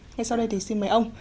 ngay sau đây thì xin mời ông